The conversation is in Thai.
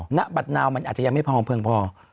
หน้าบัตรนาวมันอาจจะยังไม่พอเพียงพอ